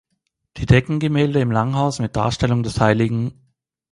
Die Deckengemälde im Langhaus mit Darstellung des hl.